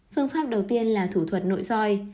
phương pháp đầu tiên là thủ thuật nội soi